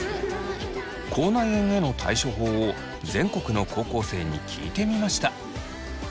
口内炎への対処法を全国の高校生に聞いてみました。